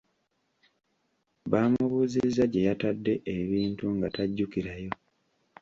Bamubuuzizza gye yatadde ebintu nga tajjukirayo.